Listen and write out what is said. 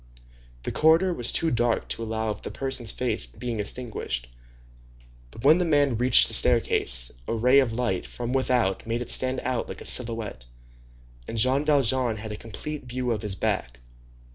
The corridor was too dark to allow of the person's face being distinguished; but when the man reached the staircase, a ray of light from without made it stand out like a silhouette, and Jean Valjean had a complete view of his back.